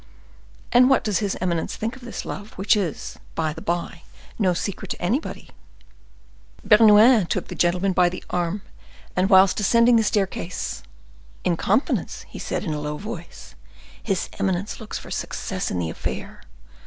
"And what does his eminence think of this love, which is, by the bye, no secret to anybody?" Bernouin took the gentleman by the arm, and whilst ascending the staircase,—"In confidence," said he, in a low voice, "his eminence looks for success in the affair.